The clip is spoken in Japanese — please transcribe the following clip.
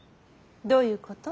どういうこと？